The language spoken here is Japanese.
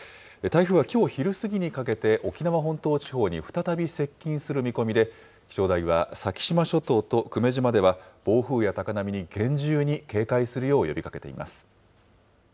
台風はきょう昼過ぎにかけて、沖縄本島地方に再び接近する見込みで、気象台は先島諸島と久米島では暴風や高波に厳重に警戒するよう呼びかけています。